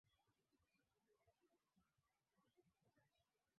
ulewala mambo haya ya victor ambusu hayo